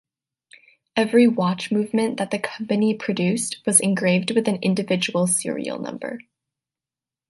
Every watch movement that the company produced was engraved with an individual serial number.